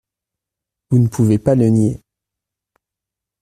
Vous ne pouvez pas le nier.